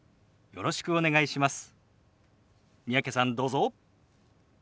よろしくお願いします。